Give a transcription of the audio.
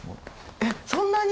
えっそんなに？